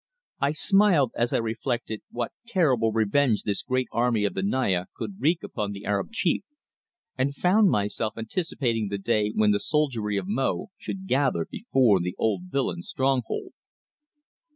I smiled as I reflected what terrible revenge this great army of the Naya could wreak upon the Arab chief, and found myself anticipating the day when the soldiery of Mo should gather before the old villain's stronghold.